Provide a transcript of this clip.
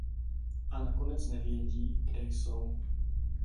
A nakonec nevědí, kde jsou.